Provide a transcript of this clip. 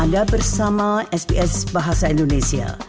anda bersama sps bahasa indonesia